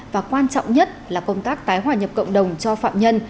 và quan trọng nhất là công tác tái hòa nhập cộng đồng cho phạm nhân